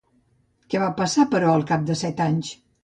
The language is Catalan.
Què va passar, però, al cap de set anys?